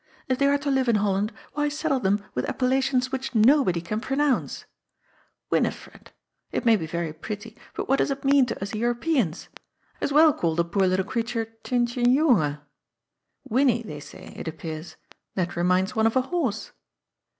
If they are to live in A STRANGE DUCK IN THE POND. 309 Holland, why saddle them with appellations which nobody can pronounce ?* Winifred '; it may be very pretty, but what does it mean to us Europeans ? As well call the poor little creature Ghintsjinjunga. ^ Winnie,' they say, it ap pears. That reminds one of a horse.''